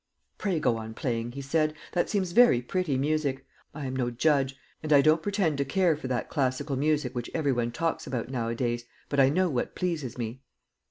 "Pray go on playing," he said; "that seems very pretty music. I am no judge, and I don't pretend to care for that classical music which every one talks about nowadays, but I know what pleases me."